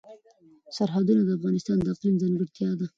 سرحدونه د افغانستان د اقلیم ځانګړتیا ده.